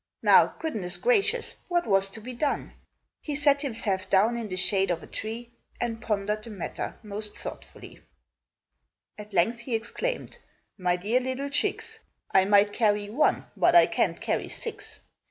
Now, goodness gracious! what was to be done? He sat himself down in the shade of a tree, And pondered the matter most thoughtfully. At length he exclaimed, "My dear little chicks, I might carry one, but I can't carry six!